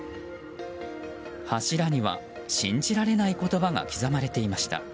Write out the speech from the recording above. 柱には信じられない言葉が刻まれていました。